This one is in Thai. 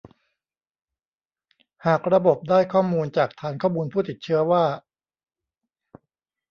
หากระบบได้ข้อมูลจากฐานข้อมูลผู้ติดเชื้อว่า